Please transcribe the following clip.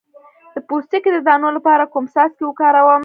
د پوستکي د دانو لپاره کوم څاڅکي وکاروم؟